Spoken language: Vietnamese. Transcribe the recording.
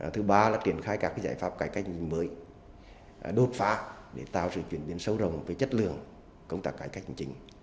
thứ ba là triển khai các giải pháp cải cách hành chính mới đột phá để tạo sự chuyển biến sâu rộng về chất lượng công tác cải cách hành chính